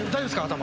頭。